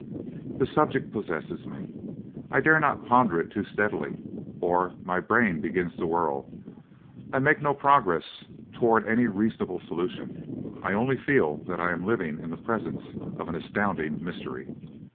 "The subject possesses me. I dare not ponder it too steadily or my brain begins to whirl. I make no progress towards any reasonable solution. I only feel that I am living in the presence of an astounding mystery.